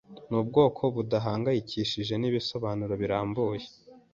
Nubwoko budahangayikishijwe nibisobanuro birambuye.